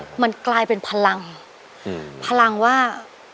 อืมมันกลายเป็นพลังอืมพลังว่า